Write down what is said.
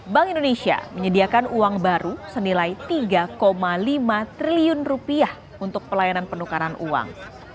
bank indonesia menyediakan uang baru senilai tiga lima triliun rupiah untuk pelayanan penukaran uang